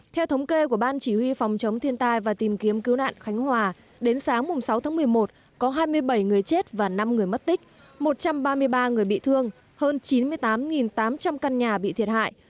theo thống kê của ban chỉ huy phòng chống thiên tai và tìm kiếm cứu nạn khánh hòa đến sáng sáu tháng một mươi một có hai mươi bảy người chết và năm người mất tích một trăm ba mươi ba người bị thương hơn chín mươi tám tám trăm linh căn nhà bị thiệt hại